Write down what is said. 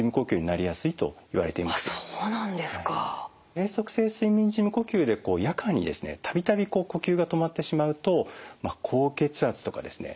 閉塞性睡眠時無呼吸で夜間にですね度々呼吸が止まってしまうと高血圧とかですね